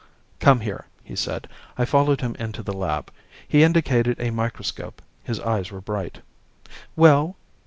"Come here," he said. I followed him into the lab. He indicated a microscope. His eyes were bright. "Well?"